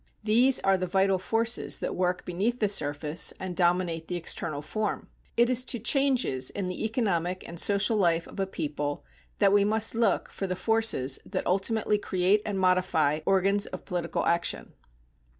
These are the vital forces that work beneath the surface and dominate the external form. It is to changes in the economic and social life of a people that we must look for the forces, that ultimately create and modify organs of political action.